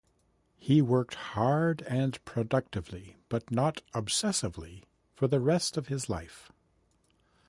He worked hard and productively, but not obsessively for the rest of his life.